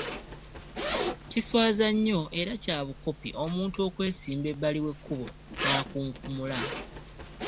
Kiswaza nnyo era kya bukopi omuntu okwesimba ebbali w’ekkubo n’akunkumula.